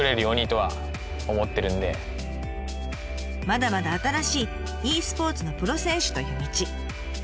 まだまだ新しいｅスポーツのプロ選手という道。